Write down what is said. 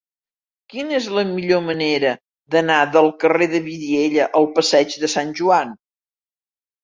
Quina és la millor manera d'anar del carrer de Vidiella al passeig de Sant Joan?